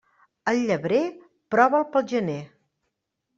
El llebrer, prova'l pel gener.